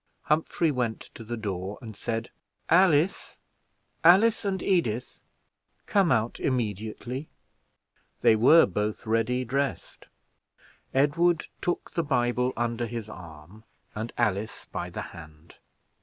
Humphrey went to the door, and said, "Alice Alice and Edith come out immediately." They were both ready dressed. Edward took the Bible under his arm, and Alice by the hand.